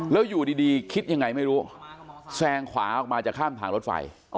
แล้วอยู่ดีคิดยังไงไม่รู้แซงขวาออกมาจะข้ามทางรถไฟ